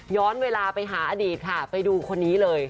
เวลาไปหาอดีตค่ะไปดูคนนี้เลย